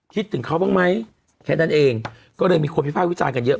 คิดถึงเขาบ้างไม่แค่นั้นเองก็เรียงมีคนพิพากษาวิจัยเยอะ